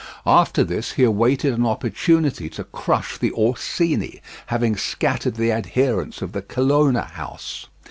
After this he awaited an opportunity to crush the Orsini, having scattered the adherents of the Colonna house.